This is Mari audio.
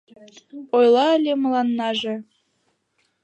Ойла ыле мыланнаже.